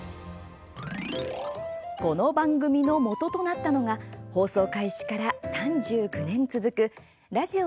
この番組のもととなったのが放送開始から３９年続くラジオ